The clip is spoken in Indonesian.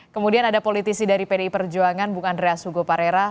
kemudian ada politisi dari pdi perjuangan bung andreas hugo parera